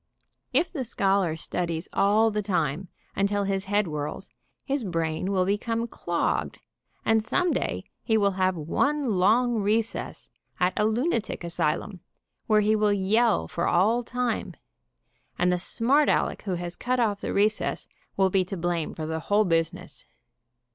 If the scholar studies all the time, until his head whirls, his brain will become clogged and some day he will have one long recess at a lunatic asylum, where he will yell for all time, and the smart Aleck who has cut off the recess will be to blame for the whole busi ness.